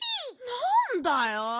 なんだよ。